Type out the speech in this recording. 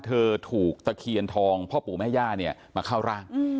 เธอถูกตะเคียนทองพ่อปู่แม่ย่าเนี่ยมาเข้าร่าง